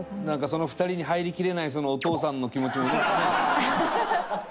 その２人に入りきれないお父さんの気持ちもね。